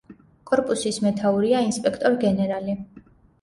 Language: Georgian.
კორპუსის მეთაურია ინსპექტორ გენერალი.